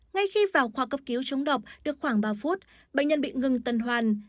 ngay khi vào khoa cấp cứu chống độc được khoảng ba phút bệnh nhân bị ngừng tân hoàn